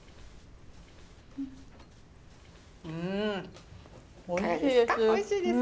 うんおいしいです。